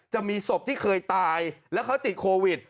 จะมีศพที่เคยตายแล้วเขาติดโควิด